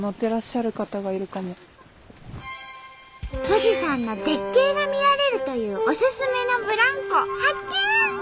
富士山の絶景が見られるというオススメのブランコ発見！